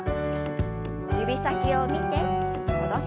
指先を見て戻します。